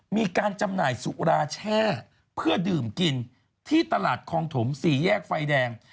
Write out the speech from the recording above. มีการจำหน่ายสุราแช่เพื่อดื่มกินที่ตลาดคลองถม๔แยกไฟแดง